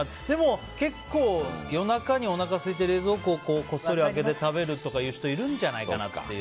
でも結構、夜中におなかすいて冷蔵庫をこっそり開けて食べるという人いるんじゃないかな。